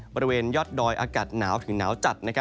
บริเวณยอดดอยอากาศหนาวถึงหนาวจัด